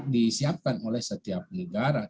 disiapkan oleh setiap negara